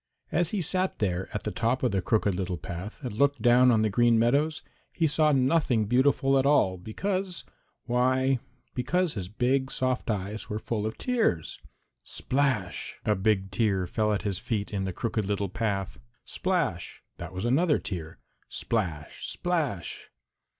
As he sat there at the top of the Crooked Little Path and looked down on the Green Meadows, he saw nothing beautiful at all because, why, because his big soft eyes were full of tears. Splash! A big tear fell at his feet in the Crooked Little Path. Splash! That was another tear. Splash! splash!